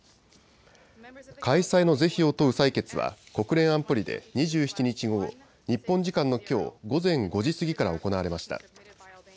開催の是非を問う採決は国連安保理で２７日午後、日本時間のきょう午前５時過ぎから行われました。